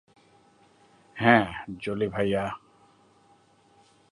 হ্যাঁ, জোলি ভাইয়া!